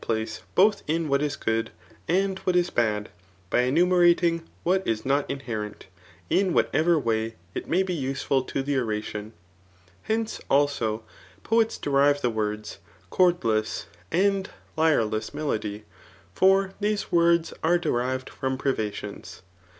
pboe botb in what is good, and what is bad, by enuiacie radng what is not inherent^ in whatever way it nay be CHAK VII. ' KHETOklC. fi23 useful to the oration. Hence, also, poets derive the words, chordlesSj and lyreless melody ; for these words are derived from privations.